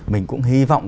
mình cũng hy vọng